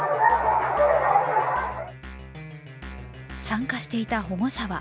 参加していた保護者は